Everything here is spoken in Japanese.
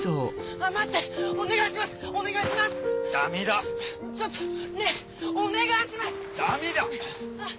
あお願いします